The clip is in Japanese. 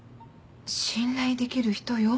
信頼できる人よ。